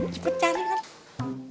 cepet cari kan